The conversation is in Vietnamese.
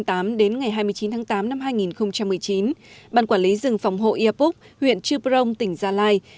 từ năm hai nghìn tám đến ngày hai mươi chín tháng tám năm hai nghìn một mươi chín ban quản lý rừng phòng hộ iapap huyện chư prong tỉnh gia lai